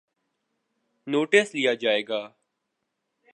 Notice لیا جائے گا۔